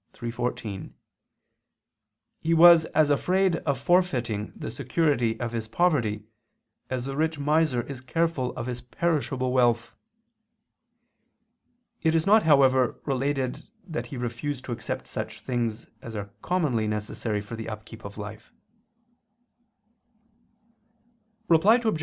iii, 14): "He was as afraid of forfeiting the security of his poverty, as the rich miser is careful of his perishable wealth." It is not, however, related that he refused to accept such things as are commonly necessary for the upkeep of life. Reply Obj.